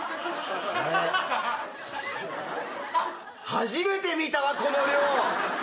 初めて見たわこの量。